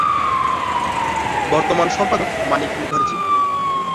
বর্তমান সম্পাদক মানিক মুখার্জী।